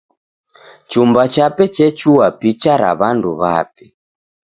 Chumba chape chechua picha ra w'andu w'ape.